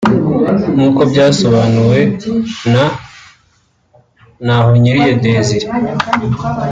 nk’uko byasobanuwe na Ntahonkiriye Desire